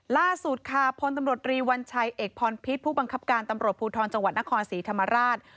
ล่าสุดค่ะพลตำรวจรีวัญชัยเอกพรพิษผู้บังคับการตำรวจภูทรจังหวัดนครศรีธรรมราช